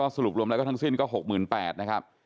สรุปรวมแล้วทั้งสิ้นก็๖๘๐๐๐บาท